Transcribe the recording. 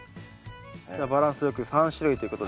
じゃあバランスよく３種類ということで。